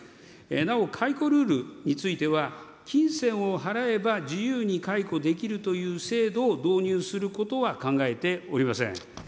なお解雇ルールについては、金銭を払えば自由に解雇できるという制度を導入することは考えておりません。